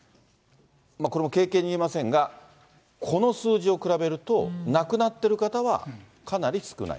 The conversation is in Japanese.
これも軽々に言えませんが、この数字を比べると、亡くなってる方は、かなり少ない。